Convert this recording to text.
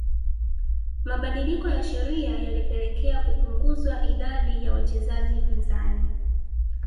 Mabadiliko ya sheria yalipelekea kupunguzwa idadi ya wachezaji pinzani